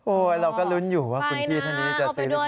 เราก็ลุ้นอยู่ว่าคุณพี่ท่านนี้จะซื้อหรือเปล่า